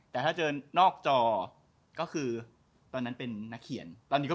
แต่ถ้าเจอนอกจอก็คือตอนนั้นเป็นนักเขียนตอนนี้ก็